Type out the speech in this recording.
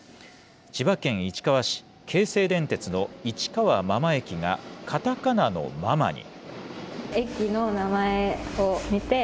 千葉県市川市、京成電鉄の市川真間駅がカタカナのママに。